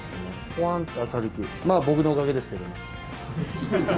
ほわーんと明るく、まあ、僕のおかげですけどね。